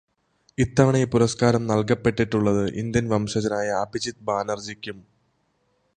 ഇത്തവണ ഈ പുരസ്കാരം നൽകപ്പെട്ടിട്ടുള്ളത് ഇന്ത്യൻ വംശജനായ അഭിജിത് ബാനർജിക്കും